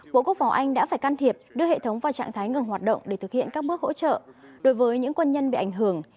bộ quốc phòng anh đã phải can thiệp đưa hệ thống vào trạng thái ngừng hoạt động để thực hiện các bước hỗ trợ đối với những quân nhân bị ảnh hưởng